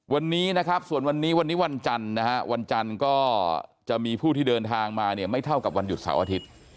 วันนี้นะครับส่วนวันนี้วันจรก็จะมีผู้ที่เดินทางมาไม่เท่ากับวันหยุดเสาร์อาทิตย์